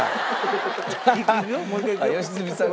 良純さん